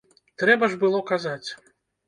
Трэба ж было казаць!